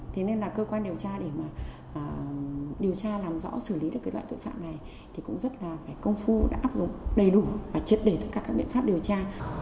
thế nên là cơ quan điều tra để mà điều tra làm rõ xử lý được cái loại tội phạm này thì cũng rất là phải công phu đã áp dụng đầy đủ và triệt đề tất cả các biện pháp điều tra